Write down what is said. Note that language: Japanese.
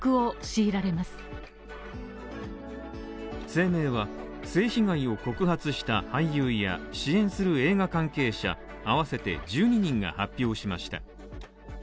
声明は、性被害を告発した俳優や支援する映画関係者合わせて１２人が発表しました。